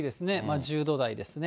１０度台ですね。